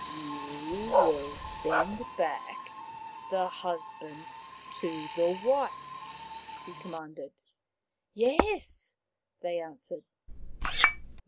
" You will send back the husband to the wife/' he commanded. " Yes," they answered.